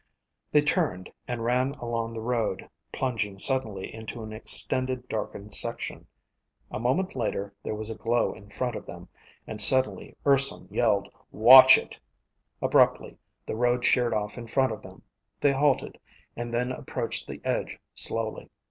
They turned and ran along the road, plunging suddenly into an extended darkened section. A moment later there was a glow in front of them and suddenly Urson yelled, "Watch it!" Abruptly the road sheered off in front of them; they halted, and then approached the edge slowly.